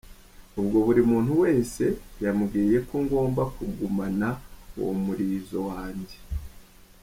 Ubwo buri muntu wese yambwiye ko ngomba kugumana uwo murizo wanjye.